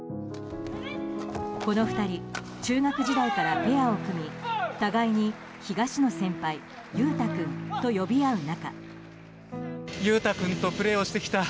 この２人中学時代からペアを組み、互いに東野先輩、勇大君と呼び合う仲。